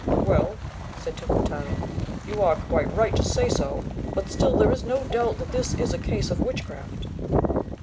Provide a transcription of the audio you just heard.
"Well," said Tokutarô, "you are quite right to say so; but still there is no doubt that this is a case of witchcraft."